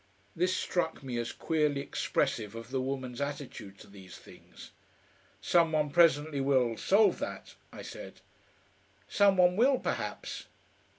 This struck me as queerly expressive of the woman's attitude to these things. "Some one presently will solve that," I said. "Some one will perhaps."